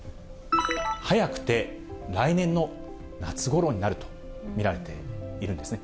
早くて来年の夏ごろになると見られているんですね。